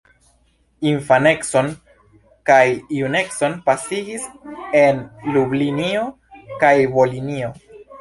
Infanecon kaj junecon pasigis en Lublinio kaj Volinio.